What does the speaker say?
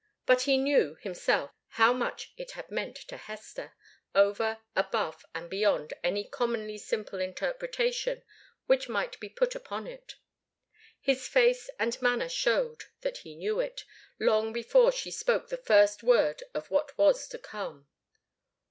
But he knew, himself, how much it had meant to Hester, over, above and beyond any commonly simple interpretation which might be put upon it. His face and manner showed that he knew it, long before she spoke the first word of what was to come.